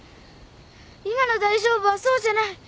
今の大丈夫はそうじゃない。